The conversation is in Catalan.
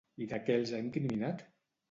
I de què els ha incriminat?